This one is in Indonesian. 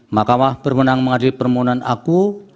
mahkamah berwenang mengadil permohonan aku